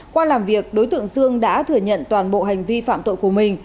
qua làm việc đối tượng sương đã thừa nhận toàn bộ hành vi phạm tội của mình